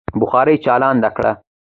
بخارۍ چالانده کړه.